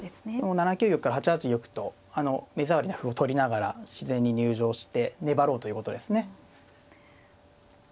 ７九玉から８八玉と目障りな歩を取りながら自然に入城して粘ろうということですね。